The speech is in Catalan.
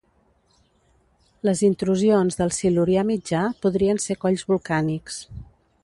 Les intrusions del Silurià Mitjà podrien ser colls volcànics.